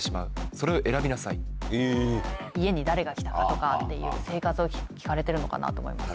それを選びなさい。とかっていう生活を聞かれてるのかなと思いました。